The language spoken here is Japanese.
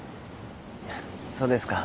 そうですか。